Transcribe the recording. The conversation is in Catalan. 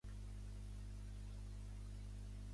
Bossier City és més gran i es troba al sud de Benton.